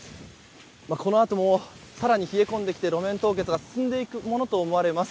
このあとも更に冷え込んできて路面凍結が進んでいくものと思われます。